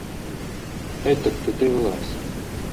Ej tak tu dillēs!